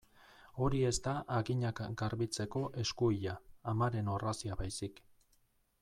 Hori ez da haginak garbitzeko eskuila, amaren orrazia baizik.